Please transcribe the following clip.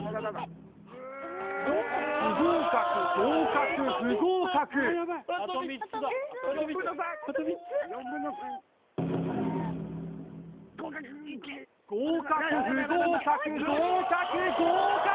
不合格合格不合格合格不合格合格合格！